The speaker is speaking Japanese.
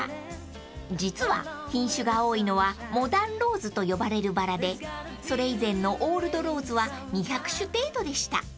［実は品種が多いのはモダンローズと呼ばれるバラでそれ以前のオールドローズは２００種程度でした］